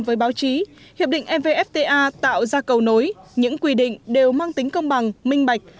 với báo chí hiệp định evfta tạo ra cầu nối những quy định đều mang tính công bằng minh bạch